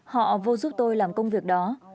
họ vô giúp tôi làm công việc đó